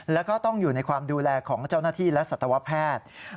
แล้วก็ต้องอยู่ในความดูแลของเจ้าหน้าที่และสัตวแพทย์